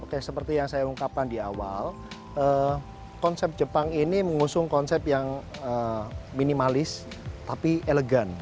oke seperti yang saya ungkapkan di awal konsep jepang ini mengusung konsep yang minimalis tapi elegan